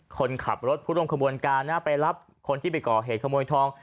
คนขับรถผู้ร่วมขบวนการนะไปรับคนที่ไปก่อเหตุขโมยทอง